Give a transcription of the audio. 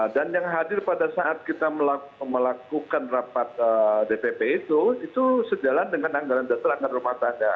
dan yang hadir pada saat kita melakukan rapat dpp itu itu sejalan dengan anggaran dasar anggaran rumah tanda